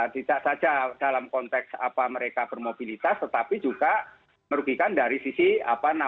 tidak saja dalam konteks mereka bermobilitas tetapi juga merugikan dari sisi kebijakannya